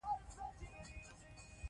دوی به د بري جشن نیولی وي.